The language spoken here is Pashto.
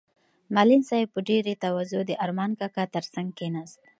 معلم صاحب په ډېرې تواضع د ارمان کاکا تر څنګ کېناست.